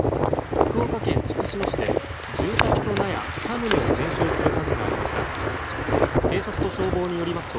福岡県筑紫野市で住宅と納谷２棟を全焼する火事がありました。